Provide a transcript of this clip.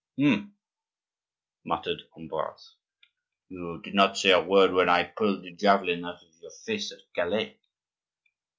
"Hum!" muttered Ambroise, "you did not say a word when I pulled the javelin out of your face at Calais."